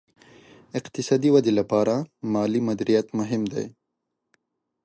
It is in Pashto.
اقتصادي ودې لپاره مالي مدیریت مهم دی.